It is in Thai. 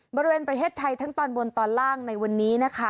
บริเวณประเทศไทยทั้งตอนบนตอนล่างในวันนี้นะคะ